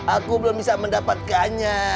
aku belum bisa mendapatkannya